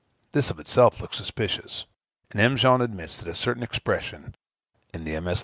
This of itself looks suspicious; and M. Jean admits, that a certain expression in the MS.